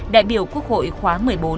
đại biểu quốc hội khóa một mươi bốn